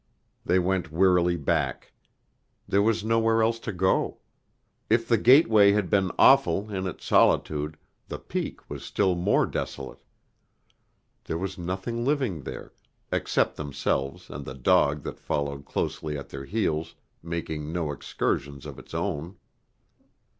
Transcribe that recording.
They went wearily back. There was nowhere else to go. If the gateway had been awful in its solitude, the Peak was still more desolate. There was nothing living there, except themselves and the dog that followed closely at their heels, making no excursions of its own.